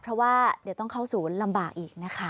เพราะว่าเดี๋ยวต้องเข้าสู่ลำบากอีกนะคะ